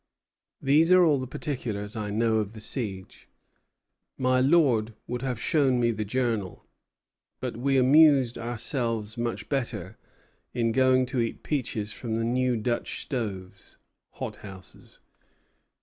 These are all the particulars I know of the siege. My Lord would have showed me the journal; but we amused ourselves much better in going to eat peaches from the new Dutch stoves [hot houses]."